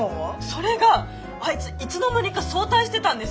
それがあいついつの間にか早退してたんです。